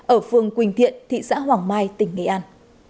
ở phường quỳnh thiện thị xã hoàng mai tỉnh nghệ an